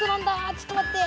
ちょっと待って。